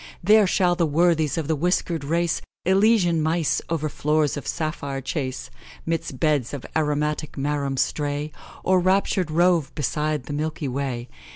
There shall the worthies of the whiskered race Elysian mice o'er floors of sapphire chase, Midst beds of aromatic marum stray, Or raptur'd rove beside the milky way.